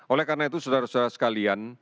oleh karena itu saudara saudara sekalian